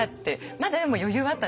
まだでも余裕はあったんですね。